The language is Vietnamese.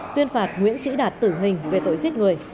tuyên phạt nguyễn sĩ đạt tử hình về tội giết người